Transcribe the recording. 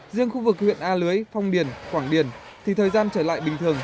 riêng khu vực huyện a lưới phong điền quảng điền thì thời gian trở lại bình thường